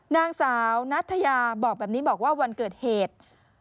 นางสาวนัทยาบอกว่าวันเกิดเหตุ